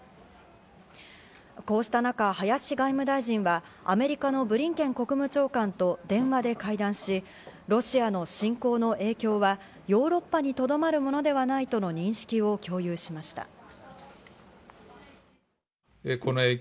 こうした中、林外務大臣はアメリカのブリンケン国務長官と電話で会談し、ロシアの侵攻の影響はヨーロッパにとどまるものではないとの認識を共有しました。